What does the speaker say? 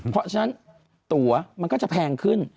เพราะฉะนั้นตัวมันก็จะแพงขึ้น